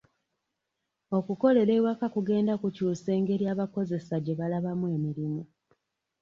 Okukolera ewaka kugenda kukyusa engeri abakozesa gye balabamu emirimu.